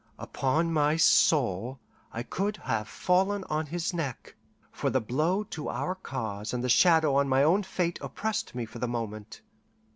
Upon my soul, I could have fallen on his neck, for the blow to our cause and the shadow on my own fate oppressed me for the moment.